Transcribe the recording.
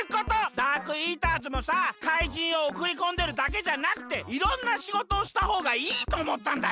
ダークイーターズもさかいじんをおくりこんでるだけじゃなくていろんなしごとをしたほうがいいとおもったんだよ。